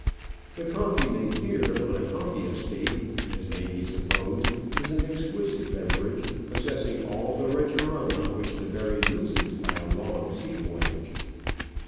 The coffee, made here on a coffee estate, as may be supposed, is an exquisite beverage, possessing all the rich aroma which the berry loses by a long sea voyage.